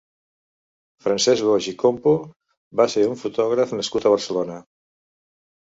Francesc Boix i Campo va ser un fotògraf nascut a Barcelona.